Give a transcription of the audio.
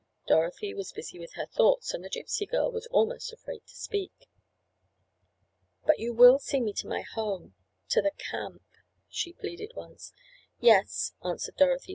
Dorothy was busy with her thoughts, and the Gypsy girl was almost afraid to speak. "But you will see me to my home—to the camp?" she pleaded once. "Yes," answered Dorothy.